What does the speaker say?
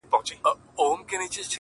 د ټوکي نه پټاکه جوړه سوه.